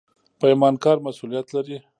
پیمانکار مسوولیت لري